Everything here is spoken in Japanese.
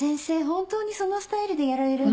本当にそのスタイルでやられる。